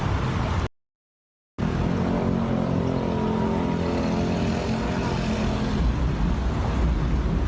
นี่ที่เรียกไป